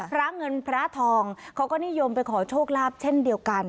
พระเงินพระทองเขาก็นิยมไปขอโชคลาภเช่นเดียวกัน